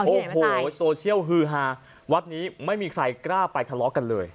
โอ้โหโซเชียลฮือฮาวัดนี้ไม่มีใครกล้าไปทะเลาะกันเลย